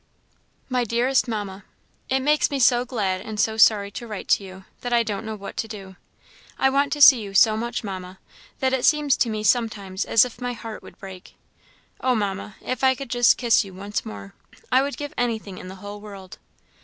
"MY DEAREST MAMMA, "It makes me so glad and so sorry to write to you, that I don't know what to do. I want to see you so much, Mamma, that it seems to me sometimes as if my heart would break. Oh, Mamma, if I could just kiss you once more, I would give anything in the whole world.